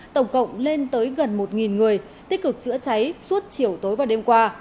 tổng cộng lên tới gần một người tích cực chữa cháy suốt chiều tối và đêm qua